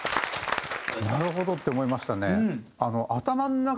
なるほどって思いましたね。